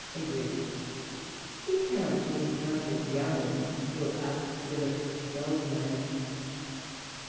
In brief, he cannot be accounted young who outliveth the old man.